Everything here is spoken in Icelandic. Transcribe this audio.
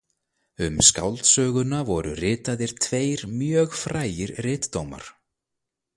Um skáldsöguna voru ritaðir tveir mjög frægir ritdómar.